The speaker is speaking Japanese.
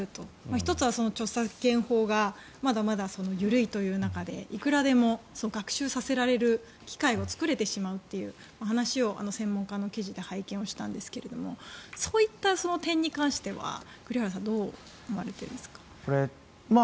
１つは著作権法がまだまだ緩いという中でいくらでも学習させられる機会を作れてしまうという話を専門家の記事で拝見したんですがそういった点に関しては栗原さんはどう思われてるんですか。